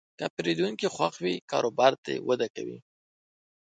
که پیرودونکی خوښ وي، کاروبار وده کوي.